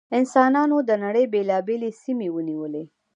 انسانانو د نړۍ بېلابېلې سیمې ونیولې.